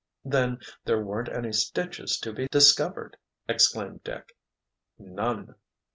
"Then there weren't any stitches to be discovered!" exclaimed Dick. "None!"